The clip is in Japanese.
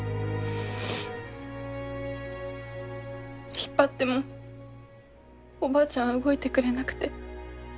引っ張ってもおばあちゃんは動いてくれなくて。